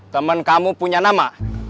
temen kamu punya nama